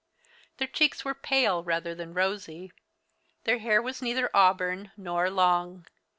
Their cheeks were pale rather than rosy. Their hair was neither auburn nor long.